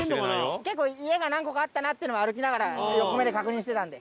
結構家が何戸かあったなっていうのは歩きながら横目で確認してたんで。